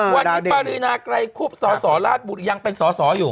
วันนี้ป้ารีนาไกรคุบสสลบุริยังเป็นสสอยู่